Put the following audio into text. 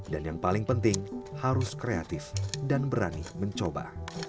dan yang paling penting harus kreatif dan berani mencoba